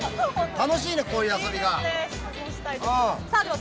楽しいね、こういう遊びは。